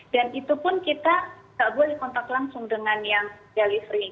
dan itu pun kita nggak boleh kontak langsung dengan yang jali free